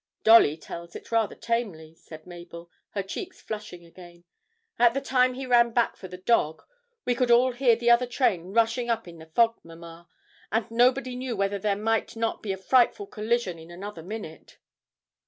'Dolly tells it rather tamely,' said Mabel, her cheeks flushing again. 'At the time he ran back for the dog, we could all hear the other train rushing up in the fog, mamma, and nobody knew whether there might not be a frightful collision in another minute.'